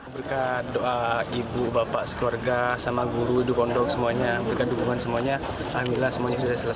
berkat doa ibu bapak sekeluarga sama guru di pondok semuanya berkat dukungan semuanya alhamdulillah semuanya sudah selesai